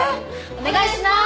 お願いします！